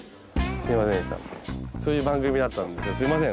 そういう番組だったんですよ。